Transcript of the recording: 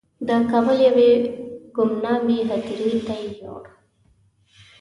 د کابل یوې ګمنامې هدیرې ته یې یووړ.